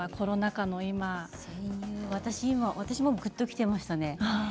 私も今、ぐっときましたね。